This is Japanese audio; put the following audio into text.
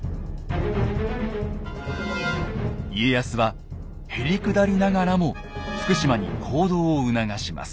家康はへりくだりながらも福島に行動を促します。